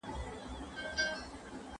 موږ به په راتلونکي کي نور قوانين هم کشف کړو.